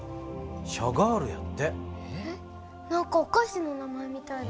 何かおかしの名前みたいだね。